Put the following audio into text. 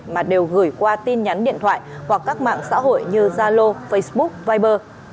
mà đều gửi qua tin nhắn điện thoại hoặc các mạng xã hội như zalo facebook viber